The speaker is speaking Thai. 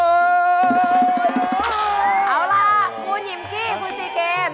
เอาล่ะคุณหิมกี้คุณซีเกม